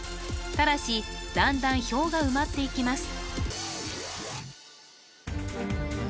ただしだんだん表が埋まっていきます